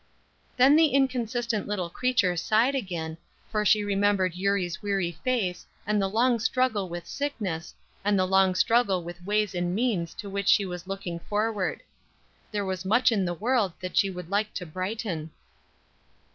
Then the inconsistent little creature sighed again, for she remembered Eurie's weary face and the long struggle with sickness, and the long struggle with ways and means to which she was looking forward. There was much in the world that she would like to brighten.